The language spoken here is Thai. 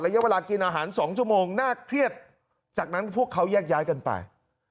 เวลากินอาหาร๒ชั่วโมงน่าเครียดจากนั้นพวกเขาแยกย้ายกันไป